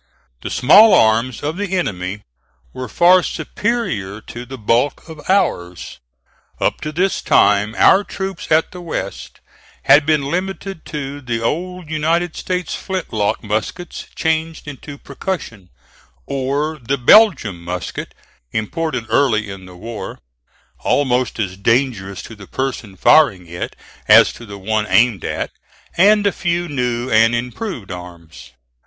The small arms of the enemy were far superior to the bulk of ours. Up to this time our troops at the West had been limited to the old United States flint lock muskets changed into percussion, or the Belgian musket imported early in the war almost as dangerous to the person firing it as to the one aimed at and a few new and improved arms.